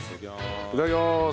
いただきます。